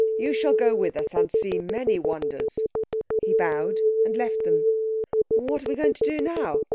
You shall go with us, and see many wonders." He bowed and left them. "What are we going to do now?"